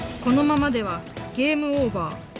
このままではゲームオーバー。